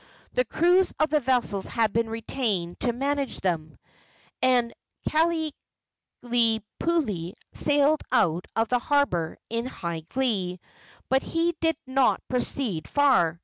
The crews of the vessels had been retained to manage them, and Kalanikupule sailed out of the harbor in high glee. But he did not proceed far.